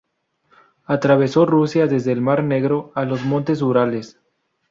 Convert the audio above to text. Atravesó Rusia desde el Mar Negro a los Montes Urales.